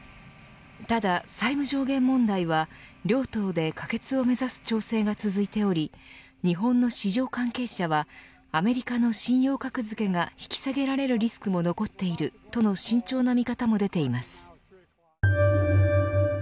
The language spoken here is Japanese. ただ、債務上限問題は両党で可決を目指す調整が続いており日本の市場関係者はアメリカの信用格付けが引き下げられるリスクも残っているとの慎重な見方も出ています。